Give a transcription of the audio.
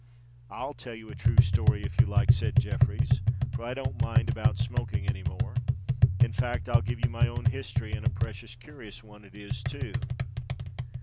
"I'll tell you a true story, if you like," said Jeffreys: "for I don't mind about smoking any more. In fact, I'll give you my own history—and a precious curious one it is, too."